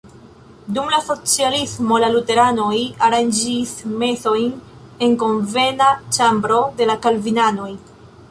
Dum la socialismo la luteranoj aranĝis mesojn en konvena ĉambro de la kalvinanoj.